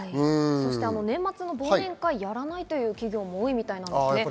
年末の忘年会をやらないという企業も多いみたいです。